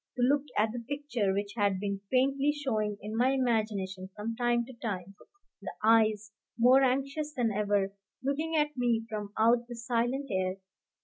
To look at the picture, which had been faintly showing in my imagination from time to time, the eyes, more anxious than ever, looking at me from out the silent air?